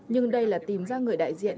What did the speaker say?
nhưng đây là tìm ra người đại diện